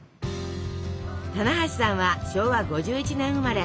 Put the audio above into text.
棚橋さんは昭和５１年生まれ。